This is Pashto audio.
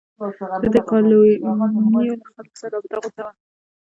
د دې کالونیو له خلکو سره رابطه غوڅه وه.